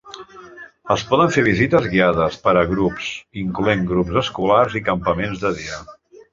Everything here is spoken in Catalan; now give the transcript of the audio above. Es poden fer visites guiades per a grups, incloent grups escolars i campaments de dia.